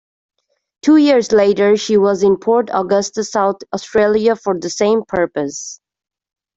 Two years later she was in Port Augusta, South Australia, for the same purpose.